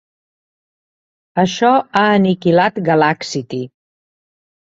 Això ha aniquilat Galaxity.